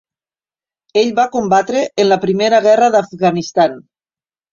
Ell va combatre en la primera Guerra d'Afganistan.